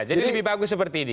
jadi lebih bagus seperti ini